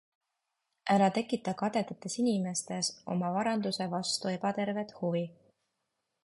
Ära tekita kadedates inimestes oma varanduse vastu ebatervet huvi.